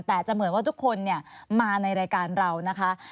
แต่จะเหมือนว่าทุกคนมาในรายการเรานะคะ